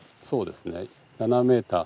そうですね。